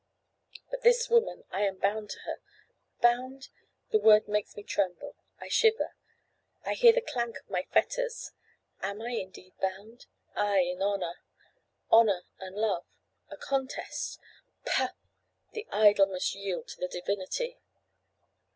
But this woman: I am bound to her. Bound? The word makes me tremble. I shiver: I hear the clank of my fetters. Am I indeed bound? Ay! in honour. Honour and love! A contest! Pah! The Idol must yield to the Divinity!